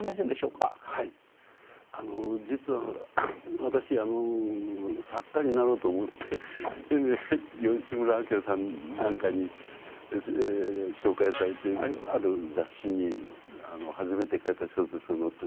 実は私作家になろうと思ってそれで吉村昭さんなんかに紹介されてある雑誌に初めて書いた小説が載って。